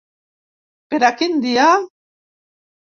Per a quin dia?